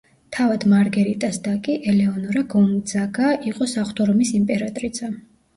თავად მარგერიტას და კი, ელეონორა გონძაგა, იყო საღვთო რომის იმპერატრიცა.